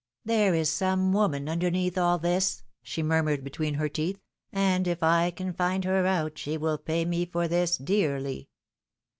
There is some woman underneath all this/' she mur mured between her teeth, and if I can find her out, she shall pay me for this dearly."